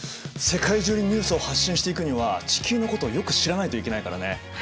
世界中にニュースを発信していくには地球のことをよく知らないといけないからね。